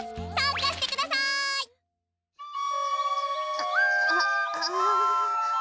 ああああ。